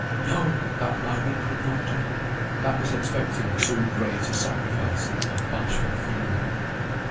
No! that Margaret could not do. That was expecting too great a sacrifice of bashful feeling.